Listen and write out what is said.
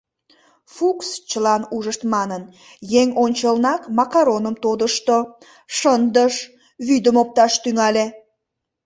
Фукс, чылан ужышт манын, еҥ ончылнак макароным тодышто, шындыш, вӱдым опташ тӱҥале.